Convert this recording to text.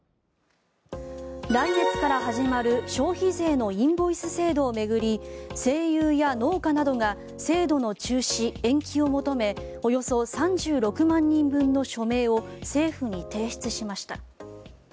来月から始まる消費税のインボイス制度を巡り声優や農家などが制度の中止・延期を求めおよそ３６万人分の署名を政府に提出しました。